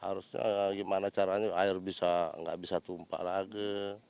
harusnya gimana caranya air nggak bisa tumpah lagi